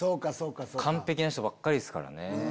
完璧な人ばっかりですからね。